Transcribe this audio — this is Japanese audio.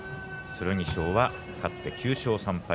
剣翔、勝って９勝３敗。